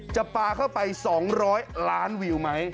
ปลาเข้าไป๒๐๐ล้านวิวไหม